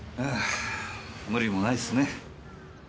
無理もないっすね。